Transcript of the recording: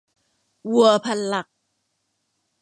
วัวพันหลัก